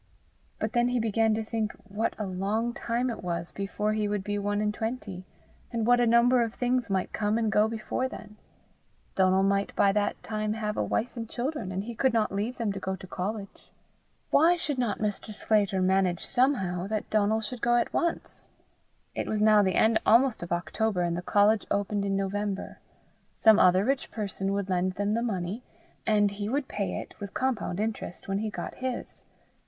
But then he began to think what a long time it was before he would be one and twenty, and what a number of things might come and go before then: Donal might by that time have a wife and children, and he could not leave them to go to college! Why should not Mr. Sclater manage somehow that Donal should go at once? It was now the end almost of October, and the college opened in November. Some other rich person would lend them the money, and he would pay it, with compound interest, when he got his.